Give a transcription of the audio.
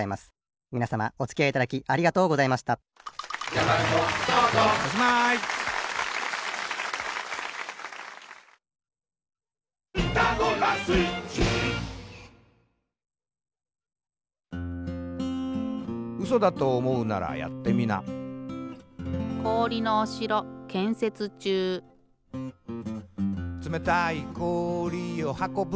みなさまおつきあいいただきありがとうございました「つめたいこおりをはこぶ